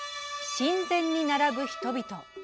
神前に並ぶ人々。